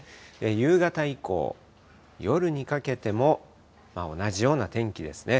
夕方以降、夜にかけても同じような天気ですね。